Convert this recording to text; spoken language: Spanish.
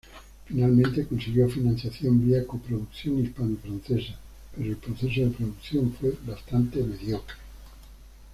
Finalmente consiguió financiación vía coproducción hispano-francesa pero el proceso de producción fue bastante mediocre.